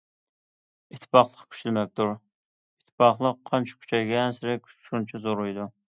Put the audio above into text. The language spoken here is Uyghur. ئىتتىپاقلىق كۈچ دېمەكتۇر، ئىتتىپاقلىق قانچە كۈچەيگەنسېرى، كۈچ شۇنچە زورىيىدۇ.